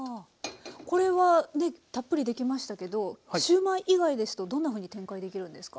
これはねたっぷりできましたけどシューマイ以外ですとどんなふうに展開できるんですか？